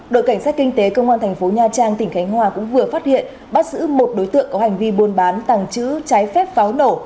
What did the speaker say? đội cảnh sát kinh tế công an thành phố nha trang tỉnh khánh hòa cũng vừa phát hiện bắt giữ một đối tượng có hành vi buôn bán tàng trữ trái phép pháo nổ